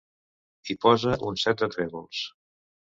Hi posa un set de trèvols.